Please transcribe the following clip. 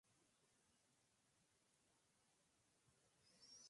En el índice pueden estar tanto empresas americanas como internacionales.